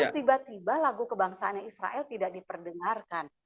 tiba tiba lagu kebangsaannya israel tidak diperdengarkan